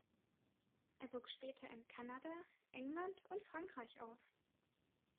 Er wuchs später in Kanada, England und Frankreich auf.